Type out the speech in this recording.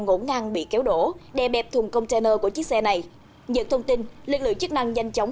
ngỗ ngang bị kéo đổ đè bẹp thùng container của chiếc xe này nhận thông tin lực lượng chức năng nhanh chóng